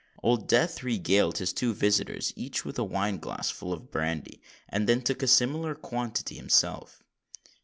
Old Death regaled his two visitors each with a wine glass full of brandy, and then took a similar quantity himself.